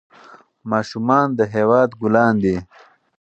ماشومان د هېواد ګلان دي.